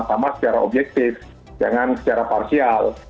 sama secara objektif jangan secara parsial